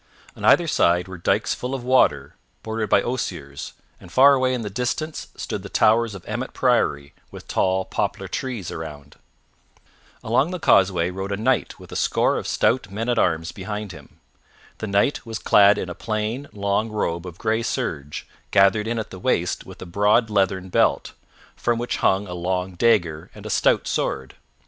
On either side were dikes full of water bordered by osiers, and far away in the distance stood the towers of Emmet Priory with tall poplar trees around. Along the causeway rode a knight with a score of stout men at arms behind him. The Knight was clad in a plain, long robe of gray serge, gathered in at the waist with a broad leathern belt, from which hung a long dagger and a stout sword.